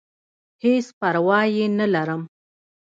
هېڅ پرواه ئې نۀ لرم -